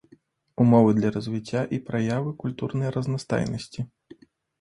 Умовы для развіцця і праявы культурнай разнастайнасці.